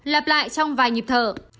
lặp lại trong vài nhịp thở